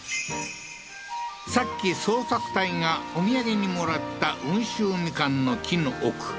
さっき捜索隊がお土産にもらった温州みかんの木の奥